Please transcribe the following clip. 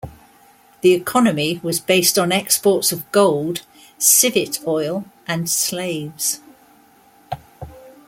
The economy was based on exports of gold, civet oil, and slaves.